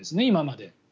今まで。